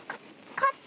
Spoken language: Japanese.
カット？